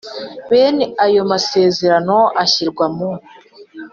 bene ayo masezerano ashyirwa mu